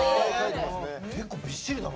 結構びっしりだな。